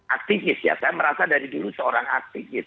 aktivis ya saya merasa dari dulu seorang aktivis